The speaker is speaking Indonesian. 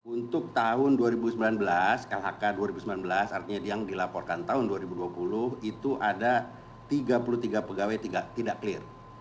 untuk tahun dua ribu sembilan belas lhk dua ribu sembilan belas artinya yang dilaporkan tahun dua ribu dua puluh itu ada tiga puluh tiga pegawai tidak clear